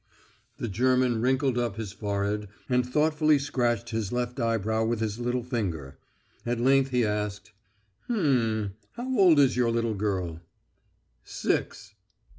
The German wrinkled up his forehead and thoughtfully scratched his left eyebrow with his little finger. At length he asked: "H'm.... And how old is your little girl?" "Six."